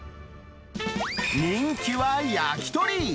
人気は焼き鳥。